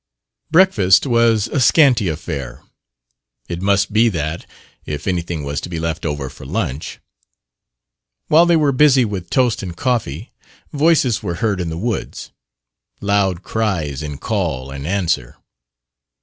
Breakfast was a scanty affair, it must be that if anything was to be left over for lunch. While they were busy with toast and coffee voices were heard in the woods loud cries in call and answer.